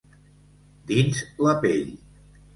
Dins la pell.